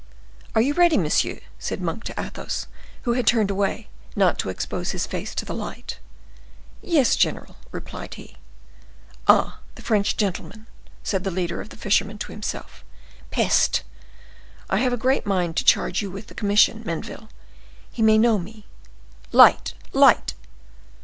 "Are you ready, monsieur?" said Monk to Athos, who had turned away, not to expose his face to the light. "Yes, general," replied he. "Ah! the French gentleman!" said the leader of the fishermen to himself. "Peste! I have a great mind to charge you with the commission, Menneville; he may know me. Light! light!"